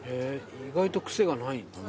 意外と癖がないんだ。